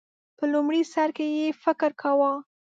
په لومړی سر کې یې فکر کاوه